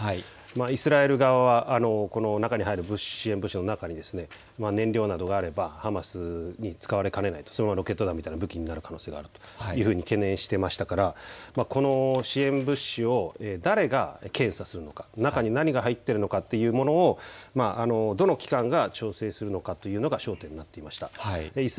イスラエル側は中に入る支援物資の中に燃料などがあればハマスに使われかねない、それがロケット弾のような武器になる可能性があると懸念していましたからこの支援物資を誰が検査するのか、中に何が入っているのかというものをどの機関が調整するのかというのが焦点になっていました。